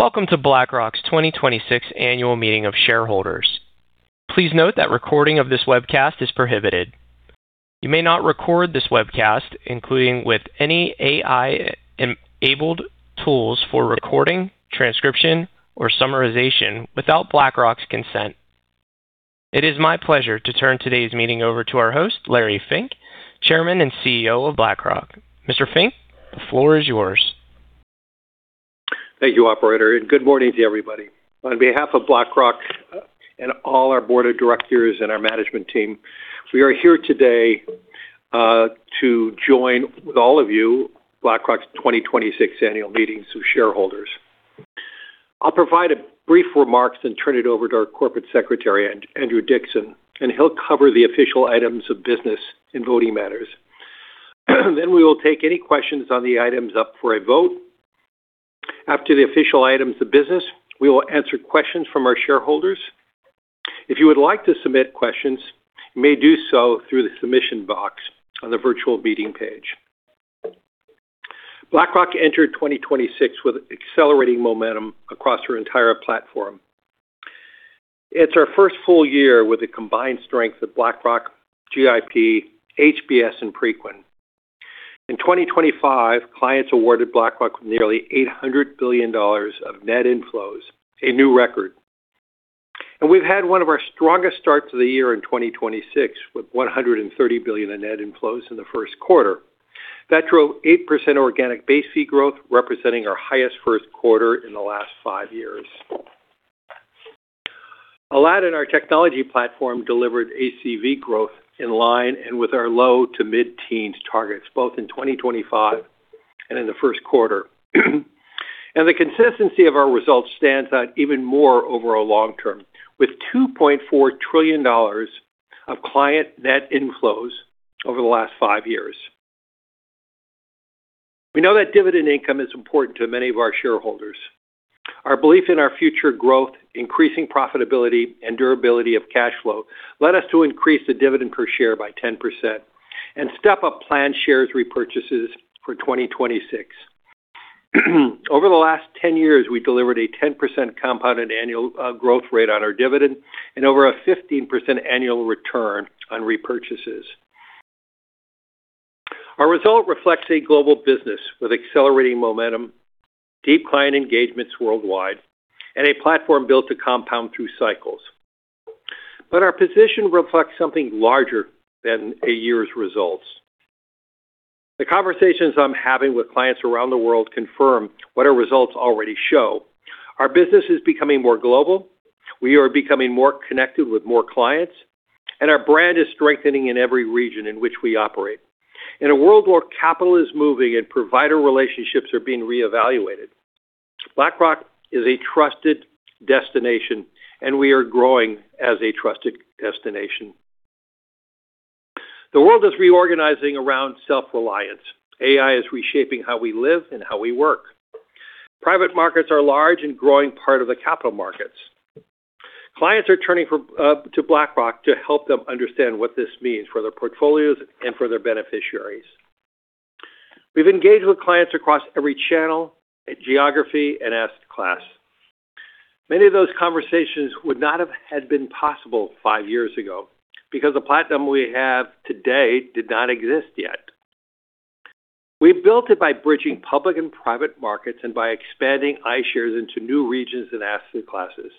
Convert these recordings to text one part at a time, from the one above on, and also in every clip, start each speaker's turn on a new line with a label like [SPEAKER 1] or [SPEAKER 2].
[SPEAKER 1] Welcome to BlackRock's 2026 annual meeting of shareholders. Please note that recording of this webcast is prohibited. You may not record this webcast, including with any AI-enabled tools for recording, transcription, or summarization without BlackRock's consent. It is my pleasure to turn today's meeting over to our host, Larry Fink, Chairman and Chief Executive Officer of BlackRock. Mr. Fink, the floor is yours.
[SPEAKER 2] Thank you, operator. Good morning to everybody. On behalf of BlackRock and all our board of directors and our management team, we are here today to join with all of you, BlackRock's 2026 annual meetings of shareholders. I'll provide brief remarks and turn it over to our Corporate Secretary, Andrew Dickson. He'll cover the official items of business and voting matters. We will take any questions on the items up for a vote. After the official items of business, we will answer questions from our shareholders. If you would like to submit questions, you may do so through the submission box on the virtual meeting page. BlackRock entered 2026 with accelerating momentum across our entire platform. It's our first full year with the combined strength of BlackRock, GIP, HPS, and Preqin. In 2025, clients awarded BlackRock with nearly $800 billion of net inflows, a new record. We've had one of our strongest starts of the year in 2026, with $130 billion in net inflows in the first quarter. That drove 8% organic base fee growth, representing our highest first quarter in the last five years. Aladdin, our technology platform, delivered ACV growth in line and with our low to mid-teens targets, both in 2025 and in the first quarter. The consistency of our results stands out even more over a long term, with $2.4 trillion of client net inflows over the last five years. We know that dividend income is important to many of our shareholders. Our belief in our future growth, increasing profitability, and durability of cash flow led us to increase the dividend per share by 10% and step up planned shares repurchases for 2026. Over the last 10 years, we delivered a 10% compounded annual growth rate on our dividend and over a 15% annual return on repurchases. Our result reflects a global business with accelerating momentum, deep client engagements worldwide, and a platform built to compound through cycles. Our position reflects something larger than a year's results. The conversations I'm having with clients around the world confirm what our results already show. Our business is becoming more global, we are becoming more connected with more clients, and our brand is strengthening in every region in which we operate. In a world where capital is moving and provider relationships are being reevaluated, BlackRock is a trusted destination, and we are growing as a trusted destination. The world is reorganizing around self-reliance. AI is reshaping how we live and how we work. Private markets are large and growing part of the capital markets. Clients are turning to BlackRock to help them understand what this means for their portfolios and for their beneficiaries. We've engaged with clients across every channel, geography, and asset class. Many of those conversations would not have been possible five years ago because the platform we have today did not exist yet. We built it by bridging public and private markets and by expanding iShares into new regions and asset classes,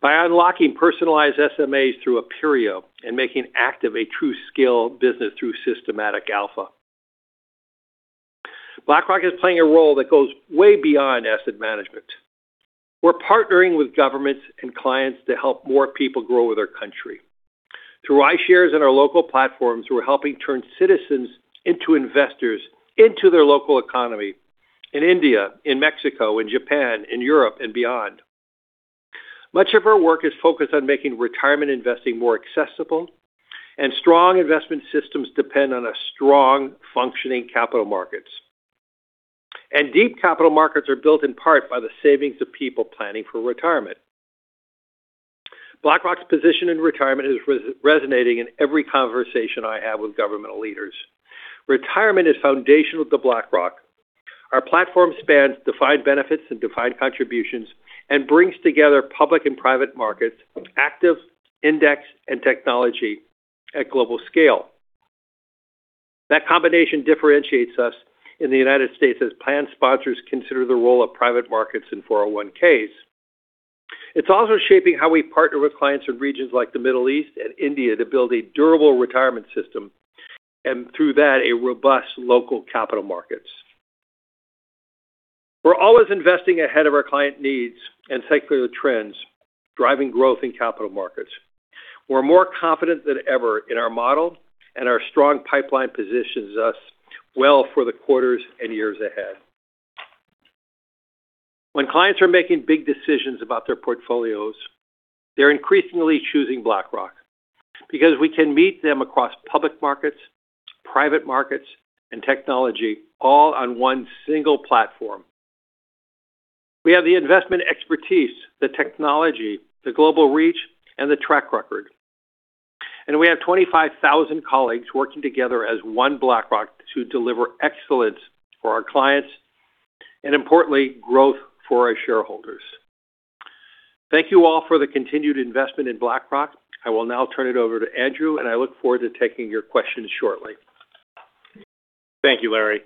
[SPEAKER 2] by unlocking personalized SMAs through Aperio and making active a true scale business through systematic alpha. BlackRock is playing a role that goes way beyond asset management. We're partnering with governments and clients to help more people grow with their country. Through iShares and our local platforms, we're helping turn citizens into investors, into their local economy in India, in Mexico, in Japan, in Europe and beyond. Much of our work is focused on making retirement investing more accessible, strong investment systems depend on a strong, functioning capital markets. Deep capital markets are built in part by the savings of people planning for retirement. BlackRock's position in retirement is resonating in every conversation I have with governmental leaders. Retirement is foundational to BlackRock. Our platform spans defined benefits and defined contributions and brings together public and private markets, active, index, and technology at global scale. That combination differentiates us in the United States as plan sponsors consider the role of private markets in 401(k)s. It's also shaping how we partner with clients in regions like the Middle East and India to build a durable retirement system, and through that, a robust local capital markets. We're always investing ahead of our client needs and secular trends, driving growth in capital markets. We're more confident than ever in our model, and our strong pipeline positions us well for the quarters and years ahead. When clients are making big decisions about their portfolios, they're increasingly choosing BlackRock because we can meet them across public markets, private markets, and technology, all on one single platform. We have the investment expertise, the technology, the global reach, and the track record. We have 25,000 colleagues working together as one BlackRock to deliver excellence for our clients and, importantly, growth for our shareholders. Thank you all for the continued investment in BlackRock. I will now turn it over to Andrew, and I look forward to taking your questions shortly.
[SPEAKER 3] Thank you, Larry.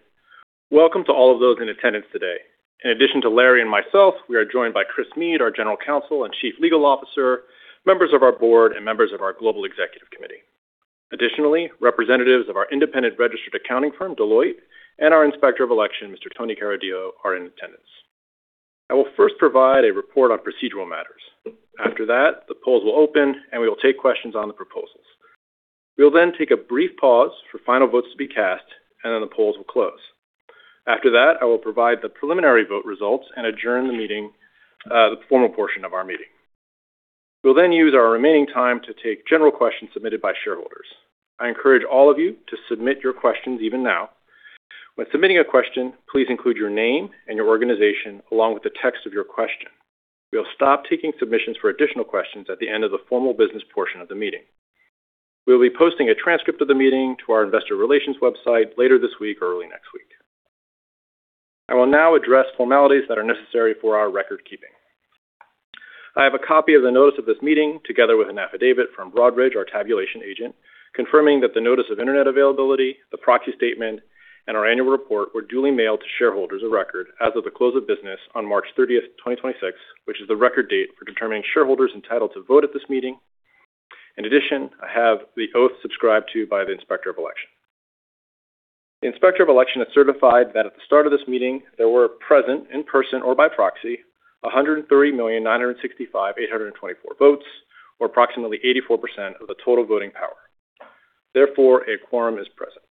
[SPEAKER 3] Welcome to all of those in attendance today. In addition to Larry and myself, we are joined by Chris Meade, our General Counsel and Chief Legal Officer, members of our board, and members of our global executive committee. Representatives of our independent registered accounting firm, Deloitte, and our Inspector of Election, Mr. Tony Carideo, are in attendance. I will first provide a report on procedural matters. The polls will open, and we will take questions on the proposals. We'll take a brief pause for final votes to be cast, the polls will close. I will provide the preliminary vote results and adjourn the meeting, the formal portion of our meeting. We'll use our remaining time to take general questions submitted by shareholders. I encourage all of you to submit your questions even now. When submitting a question, please include your name and your organization along with the text of your question. We will stop taking submissions for additional questions at the end of the formal business portion of the meeting. We will be posting a transcript of the meeting to our investor relations website later this week or early next week. I will now address formalities that are necessary for our record keeping. I have a copy of the notice of this meeting, together with an affidavit from Broadridge, our tabulation agent, confirming that the notice of internet availability, the proxy statement, and our annual report were duly mailed to shareholders of record as of the close of business on March 30, 2026, which is the record date for determining shareholders entitled to vote at this meeting. In addition, I have the oath subscribed to by the Inspector of Election. The Inspector of Election has certified that at the start of this meeting, there were present in person or by proxy, 103,965,824 votes, or approximately 84% of the total voting power. A quorum is present.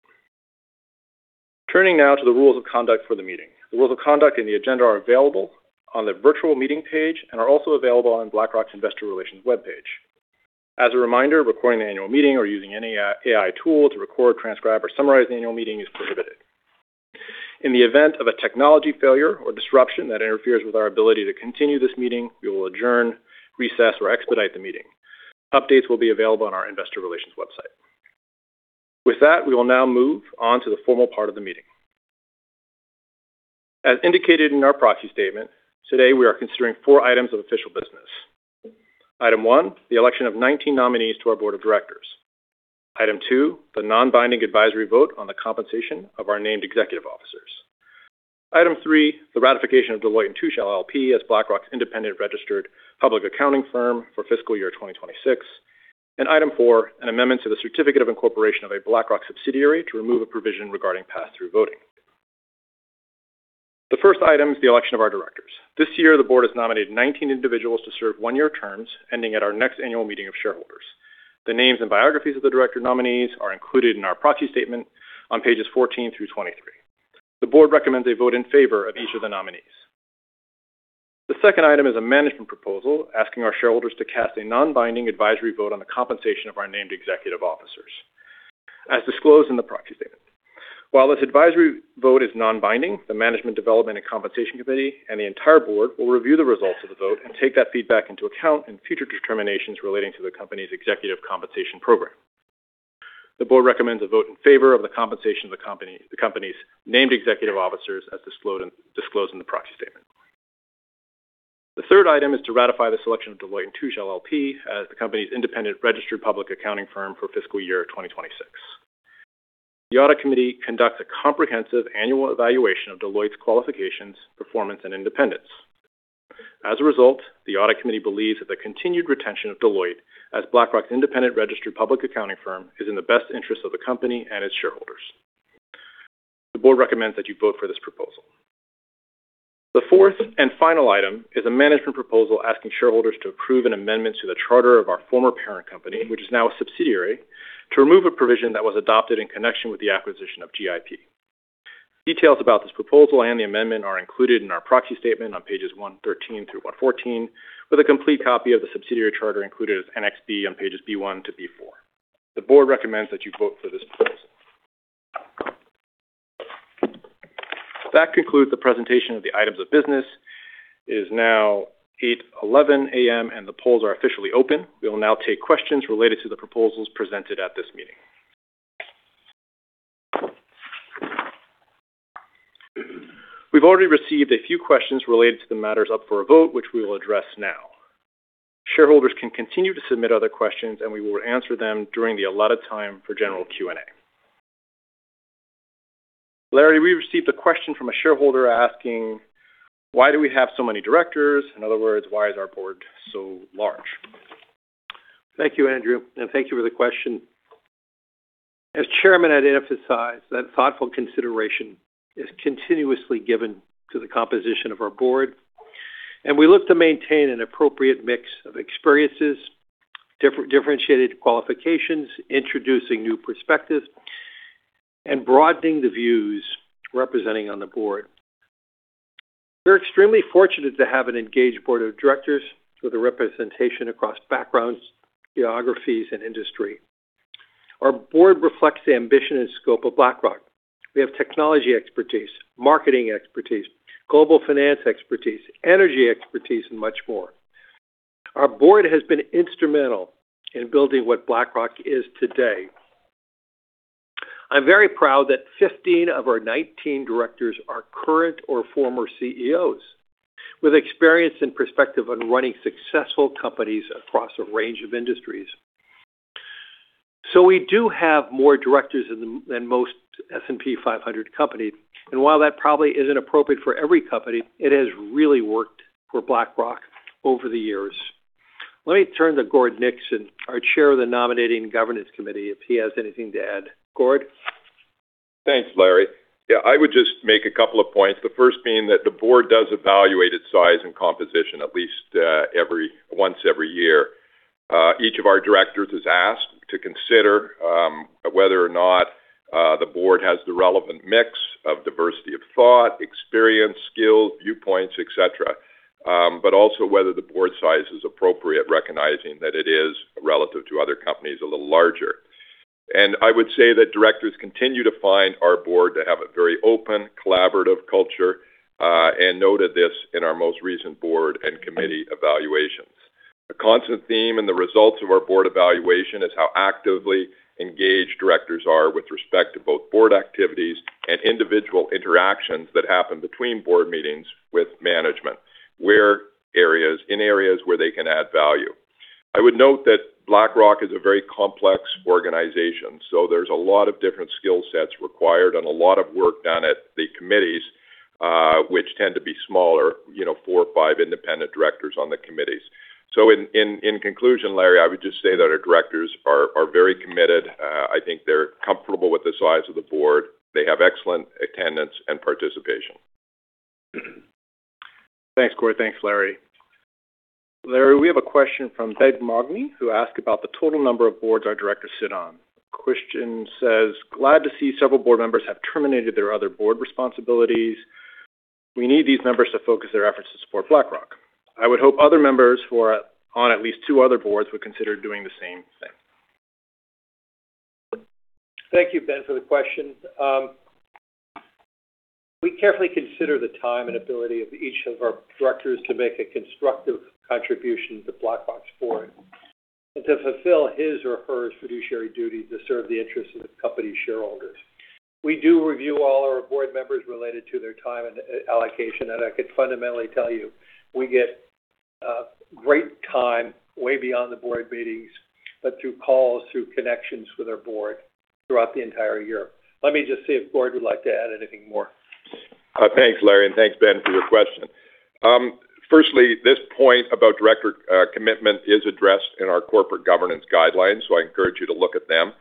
[SPEAKER 3] Turning now to the rules of conduct for the meeting. The rules of conduct and the agenda are available on the virtual meeting page and are also available on BlackRock's investor relations webpage. As a reminder, recording the annual meeting or using any AI tool to record, transcribe, or summarize the annual meeting is prohibited. In the event of a technology failure or disruption that interferes with our ability to continue this meeting, we will adjourn, recess, or expedite the meeting. Updates will be available on our investor relations website. With that, we will now move on to the formal part of the meeting. As indicated in our proxy statement, today we are considering four items of official business. Item 1, the election of 19 nominees to our Board of Directors. Item 2, the non-binding advisory vote on the compensation of our Named Executive Officers. Item 3, the ratification of Deloitte & Touche LLP as BlackRock's independent registered public accounting firm for fiscal year 2026. Item 4, an amendment to the certificate of incorporation of a BlackRock subsidiary to remove a provision regarding pass-through voting. The first item is the election of our directors. This year, the Board has nominated 19 individuals to serve one-year terms ending at our next annual meeting of shareholders. The names and biographies of the director nominees are included in our proxy statement on pages 14 through 23. The board recommends a vote in favor of each of the nominees. The second item is a management proposal asking our shareholders to cast a non-binding advisory vote on the compensation of our named executive officers, as disclosed in the proxy statement. While this advisory vote is non-binding, the Management Development and Compensation Committee and the entire board will review the results of the vote and take that feedback into account in future determinations relating to the company's executive compensation program. The board recommends a vote in favor of the compensation of the company's named executive officers, as disclosed in the proxy statement. The third item is to ratify the selection of Deloitte & Touche LLP as the company's independent registered public accounting firm for fiscal year 2026. The audit committee conducts a comprehensive annual evaluation of Deloitte's qualifications, performance, and independence. As a result, the audit committee believes that the continued retention of Deloitte as BlackRock's independent registered public accounting firm is in the best interest of the company and its shareholders. The board recommends that you vote for this proposal. The fourth and final item is a management proposal asking shareholders to approve an amendment to the charter of our former parent company, which is now a subsidiary, to remove a provision that was adopted in connection with the acquisition of GIP. Details about this proposal and the amendment are included in our proxy statement on pages 113 through 114, with a complete copy of the subsidiary charter included as Annex B on pages B-1 to B-4. The board recommends that you vote for this proposal. That concludes the presentation of the items of business. It is now 8:11 A.M., and the polls are officially open. We will now take questions related to the proposals presented at this meeting. We've already received a few questions related to the matters up for a vote, which we will address now. Shareholders can continue to submit other questions. We will answer them during the allotted time for general Q&A. Larry, we received a question from a shareholder asking, why do we have so many directors? In other words, why is our board so large?
[SPEAKER 2] Thank you, Andrew, and thank you for the question. As Chairman, I'd emphasize that thoughtful consideration is continuously given to the composition of our board, and we look to maintain an appropriate mix of experiences, differentiated qualifications, introducing new perspectives, and broadening the views representing on the board. We're extremely fortunate to have an engaged board of directors with a representation across backgrounds, geographies, and industry. Our board reflects the ambition and scope of BlackRock. We have technology expertise, marketing expertise, global finance expertise, energy expertise, and much more. Our board has been instrumental in building what BlackRock is today. I'm very proud that 15 of our 19 directors are current or former CEOs with experience and perspective on running successful companies across a range of industries. We do have more directors than most S&P 500 companies. While that probably isn't appropriate for every company, it has really worked for BlackRock over the years. Let me turn to Gord Nixon, our chair of the Nominating and Governance Committee, if he has anything to add. Gord?
[SPEAKER 4] Thanks, Larry. I would just make a couple of points. The first being that the board does evaluate its size and composition at least once every year. Each of our directors is asked to consider whether or not the board has the relevant mix of diversity of thought, experience, skill, viewpoints, et cetera. Also whether the board size is appropriate, recognizing that it is relative to other companies a little larger. I would say that directors continue to find our board to have a very open, collaborative culture and noted this in our most recent board and committee evaluations. The constant theme and the results of our board evaluation is how actively engaged directors are with respect to both board activities and individual interactions that happen between board meetings with management, in areas where they can add value. I would note that BlackRock is a very complex organization, so there's a lot of different skill sets required and a lot of work done at the committees, which tend to be smaller, you know, four or five independent directors on the committees. In conclusion, Larry, I would just say that our directors are very committed. I think they're comfortable with the size of the board. They have excellent attendance and participation.
[SPEAKER 3] Thanks, Gord. Thanks, Larry. Larry, we have a question from Ben [Mogny], who asked about the total number of boards our directors sit on. Question says, "Glad to see several board members have terminated their other board responsibilities. We need these members to focus their efforts to support BlackRock. I would hope other members who are on at least two other boards would consider doing the same thing."
[SPEAKER 2] Thank you, Ben, for the question. We carefully consider the time and ability of each of our directors to make a constructive contribution to BlackRock's board and to fulfill his or her fiduciary duty to serve the interests of the company shareholders. We do review all our board members related to their time and allocation, and I could fundamentally tell you we get great time way beyond the board meetings, but through calls, through connections with our board throughout the entire year. Let me just see if Gord would like to add anything more.
[SPEAKER 4] Thanks, Larry, and thanks Ben for your question. Firstly, this point about director commitment is addressed in our corporate governance guidelines, so I encourage you to look at them.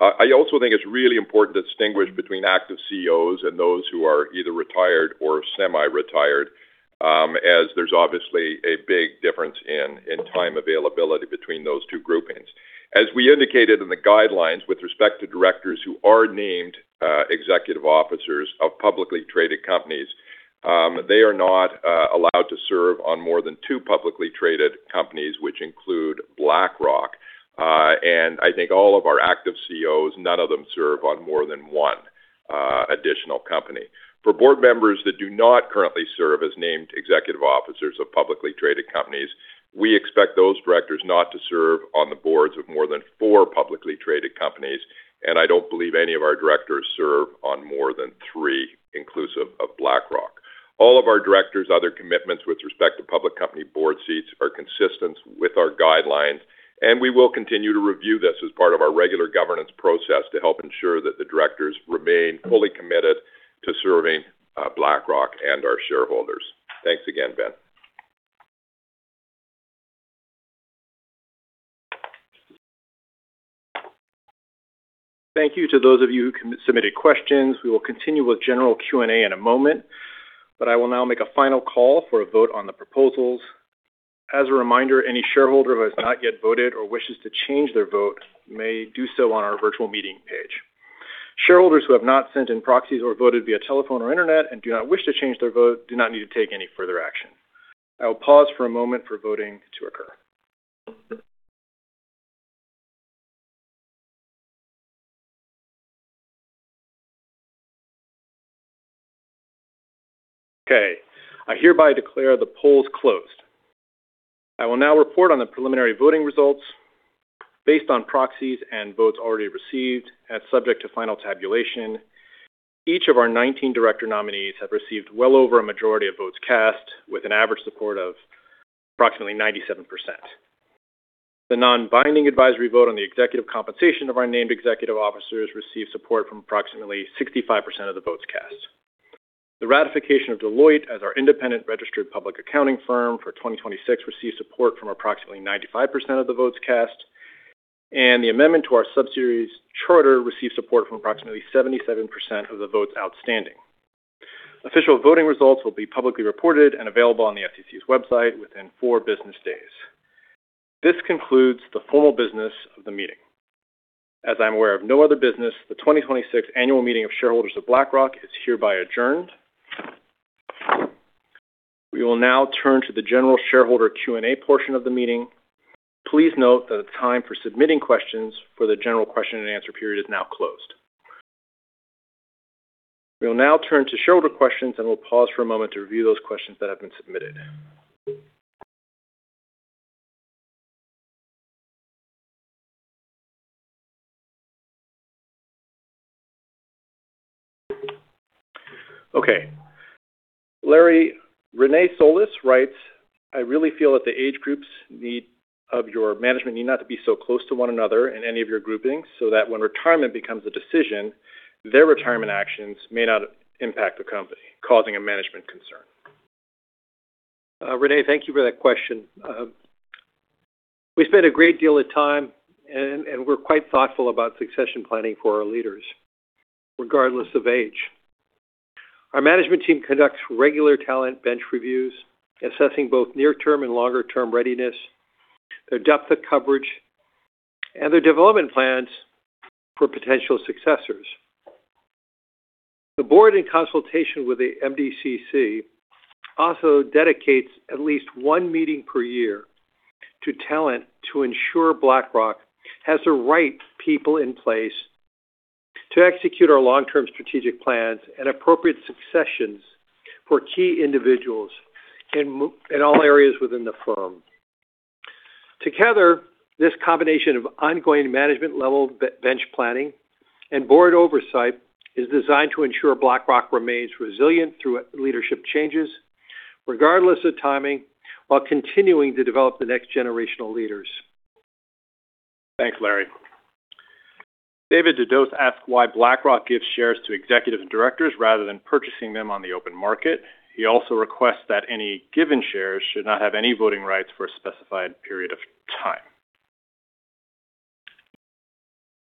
[SPEAKER 4] I also think it's really important to distinguish between active CEOs and those who are either retired or semi-retired, as there's obviously a big difference in time availability between those two groupings. As we indicated in the guidelines with respect to directors who are named executive officers of publicly traded companies, they are not allowed to serve on more than two publicly traded companies, which include BlackRock. I think all of our active CEOs, none of them serve on more than one additional company. For board members that do not currently serve as Named Executive Officers of publicly traded companies, we expect those directors not to serve on the boards of more than four publicly traded companies, and I don't believe any of our directors serve on more than three, inclusive of BlackRock. All of our directors' other commitments with respect to public company board seats are consistent with our guidelines, and we will continue to review this as part of our regular governance process to help ensure that the directors remain fully committed to serving BlackRock and our shareholders. Thanks again, Ben.
[SPEAKER 3] Thank you to those of you who submitted questions. We will continue with general Q&A in a moment, but I will now make a final call for a vote on the proposals. As a reminder, any shareholder who has not yet voted or wishes to change their vote may do so on our virtual meeting page. Shareholders who have not sent in proxies or voted via telephone or internet and do not wish to change their vote do not need to take any further action. I will pause for a moment for voting to occur. Okay, I hereby declare the polls closed. I will now report on the preliminary voting results based on proxies and votes already received, and subject to final tabulation. Each of our 19 director nominees have received well over a majority of votes cast with an average support of approximately 97%. The non-binding advisory vote on the executive compensation of our Named Executive Officers received support from approximately 65% of the votes cast. The ratification of Deloitte as our independent registered public accounting firm for 2026 received support from approximately 95% of the votes cast, and the amendment to our subsidiaries charter received support from approximately 77% of the votes outstanding. Official voting results will be publicly reported and available on the SEC's website within four business days. This concludes the formal business of the meeting. As I'm aware of no other business, the 2026 annual meeting of shareholders of BlackRock is hereby adjourned. We will now turn to the general shareholder Q&A portion of the meeting. Please note that the time for submitting questions for the general question and answer period is now closed. We'll now turn to shareholder questions, and we'll pause for a moment to review those questions that have been submitted. Okay, Larry, [Renee Solis] writes, "I really feel that the age groups need of your management need not to be so close to one another in any of your groupings so that when retirement becomes a decision, their retirement actions may not impact the company, causing a management concern.
[SPEAKER 2] [Renee], thank you for that question. We spend a great deal of time and we're quite thoughtful about succession planning for our leaders, regardless of age. Our management team conducts regular talent bench reviews, assessing both near-term and longer-term readiness, their depth of coverage, and their development plans for potential successors. The board, in consultation with the MDCC, also dedicates at least one meeting per year to talent to ensure BlackRock has the right people in place to execute our long-term strategic plans and appropriate successions for key individuals in all areas within the firm. Together, this combination of ongoing management level bench planning and board oversight is designed to ensure BlackRock remains resilient through leadership changes, regardless of timing, while continuing to develop the next generational leaders.
[SPEAKER 3] Thanks, Larry. [David De Dose] asked why BlackRock gives shares to executive directors rather than purchasing them on the open market. He also requests that any given shares should not have any voting rights for a specified period of time.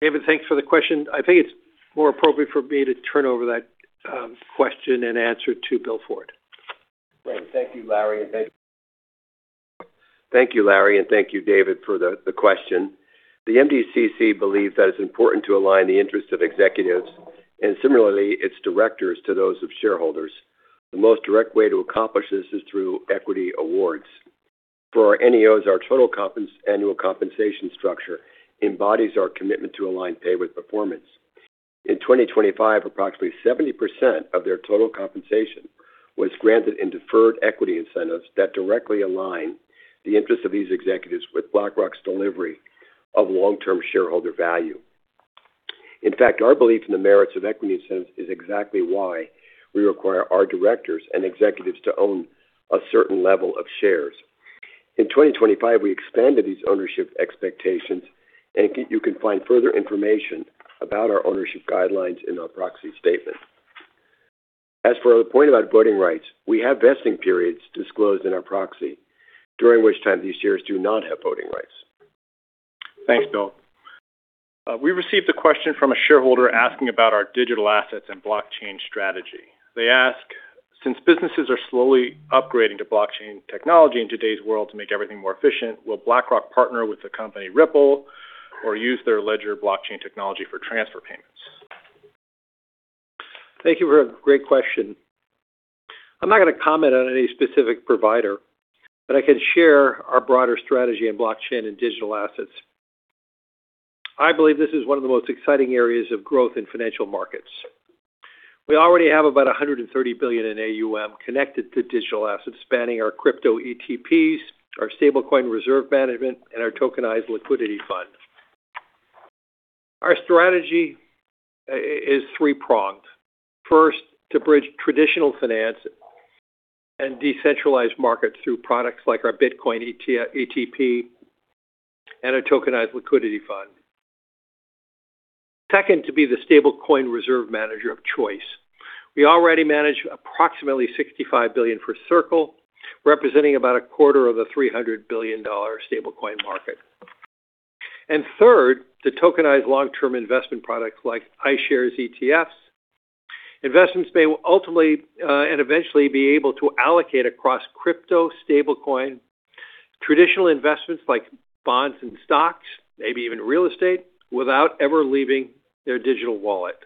[SPEAKER 2] David, thanks for the question. I think it's more appropriate for me to turn over that question and answer to Bill Ford.
[SPEAKER 5] Great. Thank you, Larry, and thank you, David, for the question. The MDCC believes that it's important to align the interests of executives and similarly its directors to those of shareholders. The most direct way to accomplish this is through equity awards. For our NEOs, our total annual compensation structure embodies our commitment to align pay with performance. In 2025, approximately 70% of their total compensation was granted in deferred equity incentives that directly align the interests of these executives with BlackRock's delivery of long-term shareholder value. In fact, our belief in the merits of equity incentives is exactly why we require our directors and executives to own a certain level of shares. In 2025, we expanded these ownership expectations. You can find further information about our ownership guidelines in our proxy statement. As for the point about voting rights, we have vesting periods disclosed in our proxy, during which time these shares do not have voting rights.
[SPEAKER 3] Thanks, Bill. We received a question from a shareholder asking about our digital assets and blockchain strategy. They ask, "Since businesses are slowly upgrading to blockchain technology in today's world to make everything more efficient, will BlackRock partner with the company Ripple or use their ledger blockchain technology for transfer payments?
[SPEAKER 2] Thank you for a great question. I'm not gonna comment on any specific provider, but I can share our broader strategy in blockchain and digital assets. I believe this is one of the most exciting areas of growth in financial markets. We already have about $130 billion in AUM connected to digital assets, spanning our crypto ETPs, our stable coin reserve management, and our tokenized liquidity fund. Our strategy is three-pronged. First, to bridge traditional finance and decentralized markets through products like our Bitcoin ETP and our tokenized liquidity fund. Second, to be the stable coin reserve manager of choice. We already manage approximately $65 billion for Circle, representing about a quarter of the $300 billion stable coin market. Third, to tokenize long-term investment products like iShares ETFs. Investments may ultimately and eventually be able to allocate across crypto stablecoin traditional investments like bonds and stocks, maybe even real estate, without ever leaving their digital wallet.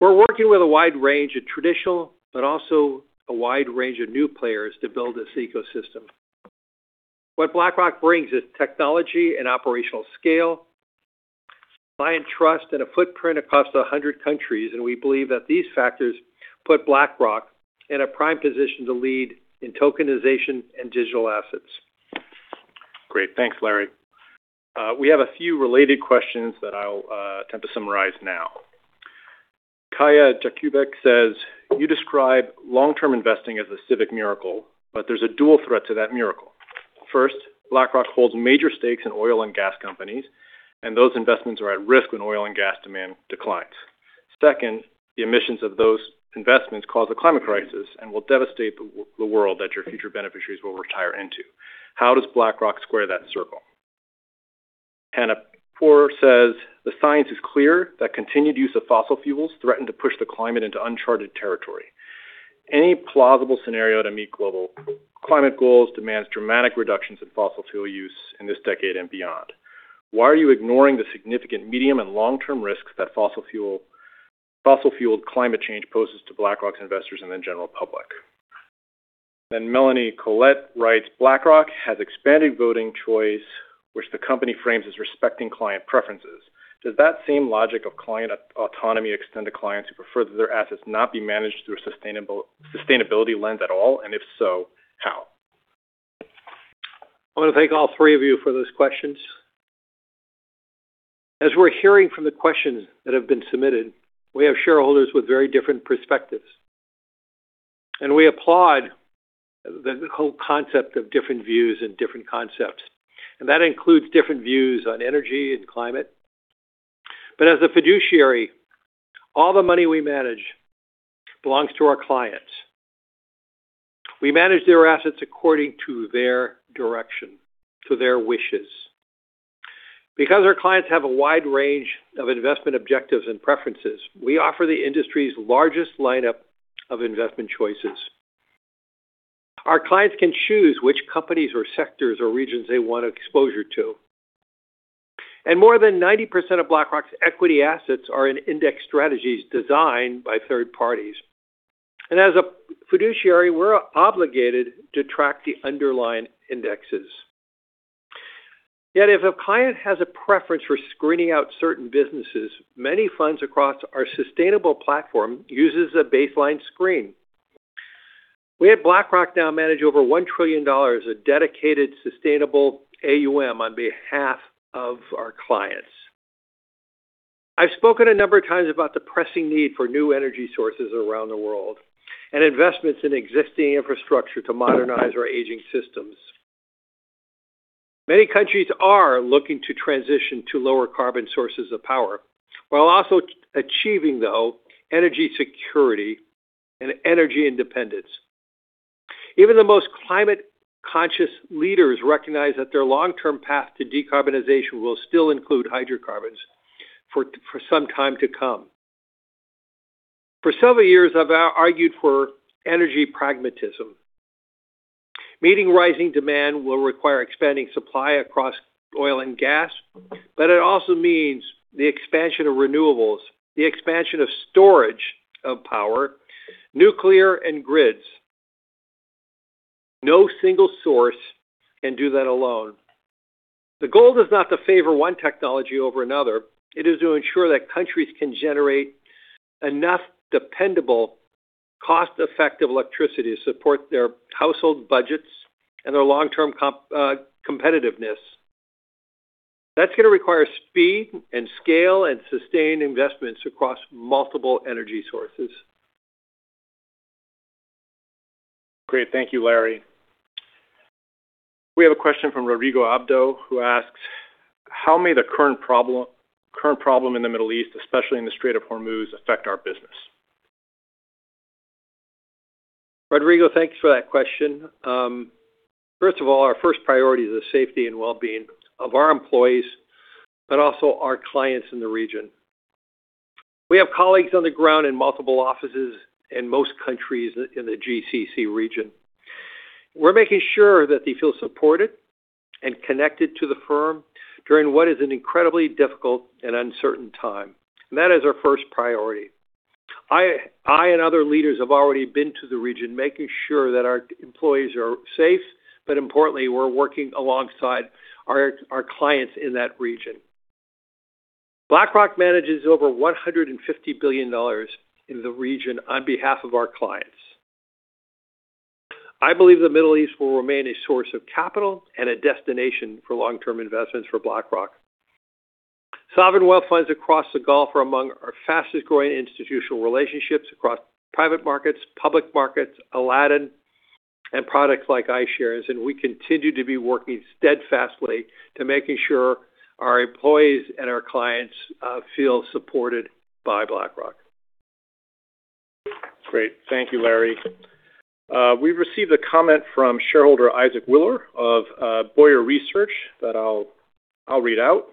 [SPEAKER 2] We're working with a wide range of traditional, but also a wide range of new players to build this ecosystem. What BlackRock brings is technology and operational scale, client trust, and a footprint across a hundred countries, and we believe that these factors put BlackRock in a prime position to lead in tokenization and digital assets.
[SPEAKER 3] Great. Thanks, Larry. We have a few related questions that I'll attempt to summarize now. [Kaya Jacubek] says, "You describe long-term investing as a civic miracle, but there's a dual threat to that miracle. First, BlackRock holds major stakes in oil and gas companies. Those investments are at risk when oil and gas demand declines. Second, the emissions of those investments cause a climate crisis and will devastate the world that your future beneficiaries will retire into. How does BlackRock square that circle?" [Hannah Poor] says, "The science is clear that continued use of fossil fuels threaten to push the climate into uncharted territory. Any plausible scenario to meet global climate goals demands dramatic reductions in fossil fuel use in this decade and beyond. Why are you ignoring the significant medium and long-term risks that fossil-fueled climate change poses to BlackRock's investors and the general public?" [Melanie Collette] writes, "BlackRock has expanded voting choice, which the company frames as respecting client preferences. Does that same logic of client autonomy extend to clients who prefer that their assets not be managed through a sustainability lens at all? If so, how?"
[SPEAKER 2] I wanna thank all three of you for those questions. As we're hearing from the questions that have been submitted, we have shareholders with very different perspectives. We applaud the whole concept of different views and different concepts, and that includes different views on energy and climate. As a fiduciary, all the money we manage belongs to our clients. We manage their assets according to their direction, to their wishes. Because our clients have a wide range of investment objectives and preferences, we offer the industry's largest lineup of investment choices. Our clients can choose which companies or sectors or regions they want exposure to. More than 90% of BlackRock's equity assets are in index strategies designed by third parties. As a fiduciary, we're obligated to track the underlying indexes. Yet, if a client has a preference for screening out certain businesses, many funds across our sustainable platform uses a baseline screen. We at BlackRock now manage over $1 trillion of dedicated sustainable AUM on behalf of our clients. I've spoken a number of times about the pressing need for new energy sources around the world and investments in existing infrastructure to modernize our aging systems. Many countries are looking to transition to lower carbon sources of power, while also achieving, though, energy security and energy independence. Even the most climate-conscious leaders recognize that their long-term path to decarbonization will still include hydrocarbons for some time to come. For several years, I've argued for energy pragmatism. Meeting rising demand will require expanding supply across oil and gas, it also means the expansion of renewables, the expansion of storage of power, nuclear and grids. No single source can do that alone. The goal is not to favor one technology over another. It is to ensure that countries can generate enough dependable, cost-effective electricity to support their household budgets and their long-term competitiveness. That's gonna require speed and scale and sustained investments across multiple energy sources.
[SPEAKER 3] Great. Thank you, Larry. We have a question from [Rodrigo Abdo], who asks, "How may the current problem in the Middle East, especially in the Strait of Hormuz, affect our business?
[SPEAKER 2] Rodrigo, thanks for that question. First of all, our first priority is the safety and well-being of our employees, but also our clients in the region. We have colleagues on the ground in multiple offices in most countries in the GCC region. We're making sure that they feel supported and connected to the firm during what is an incredibly difficult and uncertain time, and that is our first priority. I and other leaders have already been to the region, making sure that our employees are safe, but importantly, we're working alongside our clients in that region. BlackRock manages over $150 billion in the region on behalf of our clients. I believe the Middle East will remain a source of capital and a destination for long-term investments for BlackRock. Sovereign wealth funds across the Gulf are among our fastest-growing institutional relationships across private markets, public markets, Aladdin, and products like iShares, and we continue to be working steadfastly to making sure our employees and our clients feel supported by BlackRock.
[SPEAKER 3] Great. Thank you, Larry. We've received a comment from shareholder Isaac Willour of Bowyer Research that I'll read out.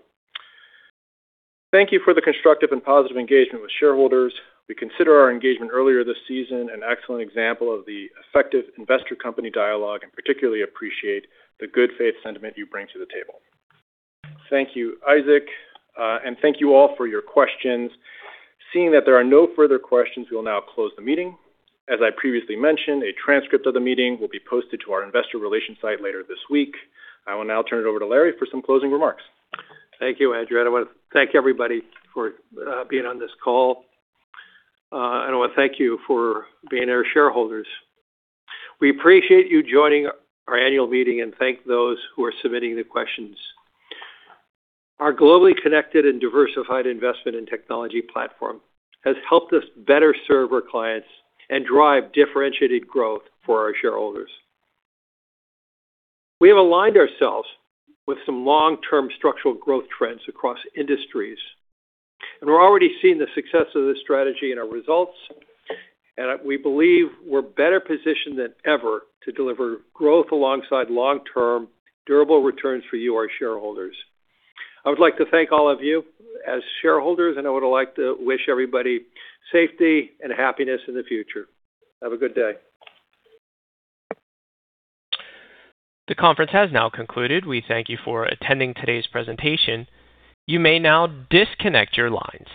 [SPEAKER 3] "Thank you for the constructive and positive engagement with shareholders. We consider our engagement earlier this season an excellent example of the effective investor-company dialogue, and particularly appreciate the good faith sentiment you bring to the table." Thank you, Isaac. Thank you all for your questions. Seeing that there are no further questions, we will now close the meeting. As I previously mentioned, a transcript of the meeting will be posted to our investor relation site later this week. I will now turn it over to Larry for some closing remarks.
[SPEAKER 2] Thank you, Andrew. I wanna thank everybody for being on this call. I wanna thank you for being our shareholders. We appreciate you joining our annual meeting and thank those who are submitting the questions. Our globally connected and diversified investment and technology platform has helped us better serve our clients and drive differentiated growth for our shareholders. We have aligned ourselves with some long-term structural growth trends across industries, we're already seeing the success of this strategy in our results. We believe we're better positioned than ever to deliver growth alongside long-term durable returns for you, our shareholders. I would like to thank all of you as shareholders, I would like to wish everybody safety and happiness in the future. Have a good day.
[SPEAKER 1] The conference has now concluded. We thank you for attending today's presentation. You may now disconnect your lines.